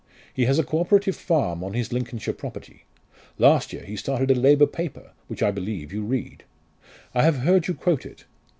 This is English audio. He has a co operative farm on his Lincolnshire property. Last year he started a Labour paper which I believe you read. I have heard you quote it.